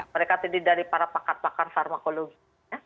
mereka terdiri dari para pakar pakar farmakologi